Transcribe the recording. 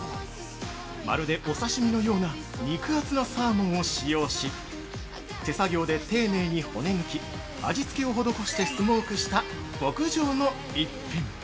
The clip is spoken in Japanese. まるでお刺身のような肉厚なサーモンを使用し手作業で丁寧に骨抜き味つけを施してスモークした極上の逸品。